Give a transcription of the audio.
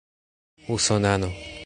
usonano